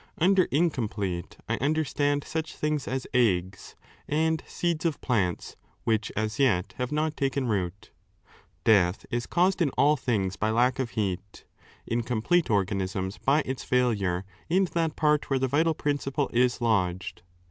Under incomplete, I understand such things as eggs, and seeds of plants which as yet have not taken root. Death is caused in all things by lack of heat ; in complete organisms by its failure in that part where the vital principle is lodged.